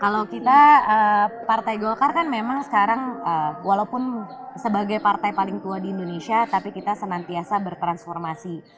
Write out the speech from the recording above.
kalau kita partai golkar kan memang sekarang walaupun sebagai partai paling tua di indonesia tapi kita senantiasa bertransformasi